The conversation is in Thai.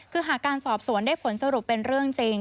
คือหากการสอบสวนได้ผลสรุปเป็นเรื่องจริง